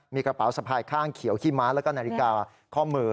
มีกระเป๋าสะพายข้างเขียวขี้ม้าแล้วก็นาฬิกาข้อมือ